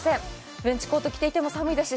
ベンチコート着ていても寒いですし